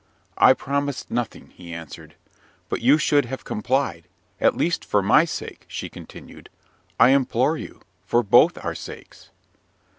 "I promised nothing," he answered. "But you should have complied, at least for my sake," she continued. "I implore you, for both our sakes."